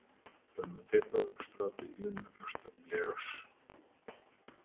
Për më tepër shtrati ynë është blerosh.